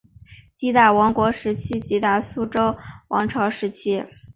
吉打王国时期吉打苏丹王朝时期